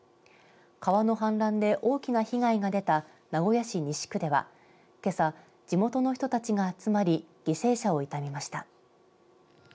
川の氾濫で大きな被害が出た名古屋市西区ではけさ、地元の人たちが集まり犠牲者を悼みました。